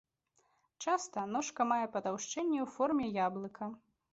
Часта ножка мае патаўшчэнне ў форме яблыка.